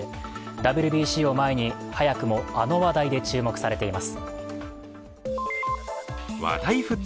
ＷＢＣを前に早くもあの話題で注目されています。